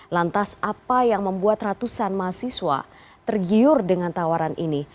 lantas apa yang membuat ratusan mahasiswa tergiur dengan tawaran ini